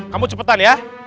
kamu cepetan ya